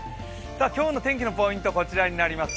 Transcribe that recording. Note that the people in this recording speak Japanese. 今日の天気のポイントはこちらになります。